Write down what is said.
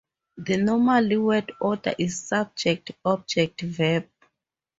The normal word order is subject-object-verb.